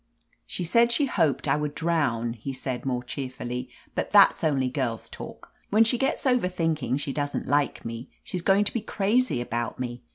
"She said she hoped I would drown," he said, more cheerfully, "but that's only girl's talk. When she gets over thinking she doesn't like me, she's going to be crazy about me.